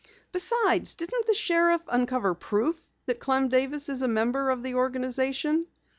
"Besides, didn't the sheriff uncover proof that Clem Davis is a member of the organization?"